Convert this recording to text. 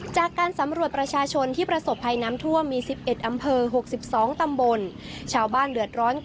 จากการสำรวจประชาชนที่ประสบภัยน้ำทั่วมี๑๑อำเภอ๖๒ตำบล